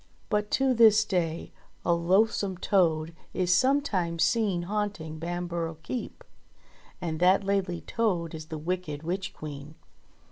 But to this day a loathsome toad is sometimes seen haunt ing Bamborough Keep ; and that Laidly Toad is the wicked Witch Queen